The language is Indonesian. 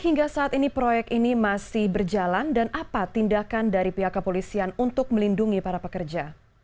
hingga saat ini proyek ini masih berjalan dan apa tindakan dari pihak kepolisian untuk melindungi para pekerja